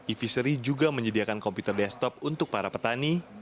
iviseri juga menyediakan komputer desktop untuk para petani